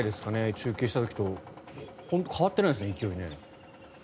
中継した時と本当に変わってないですね勢いが。